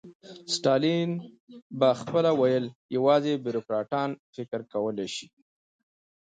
ستالین به خپله ویل یوازې بیروکراټان فکر کولای شي.